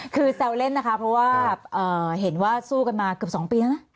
คือแซวเล่นนะคะเพราะว่าเห็นว่าสู้กันมาเกือบ๒ปีแล้วนะ